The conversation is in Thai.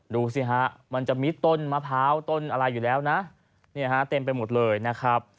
ดูสิฮะมันจะมีต้นมะพร้าวต้นอะไรอยู่แล้วนะเนี่ยฮะเต็มไปหมดเลยนะครับ